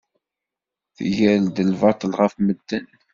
Tger-d lbaṭel ɣef medden.